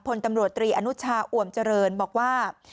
พลตำรวจตรีอนุชาอวมเจริญบอกว่า